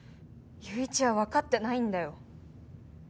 友一はわかってないんだよ。